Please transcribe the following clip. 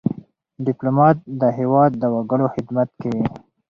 ډيپلومات د هېواد د وګړو خدمت کوي.